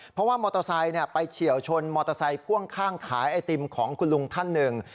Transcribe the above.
เพราะว่ามอเตอร์ไซค์ไปเฉียวชนมอเตอร์ไซค์พ่วงข้างขายไอติมของคุณลุงท่านหนึ่ง